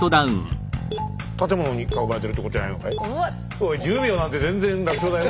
おい１０秒なんて全然楽勝だよ。